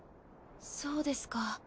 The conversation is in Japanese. そうですか。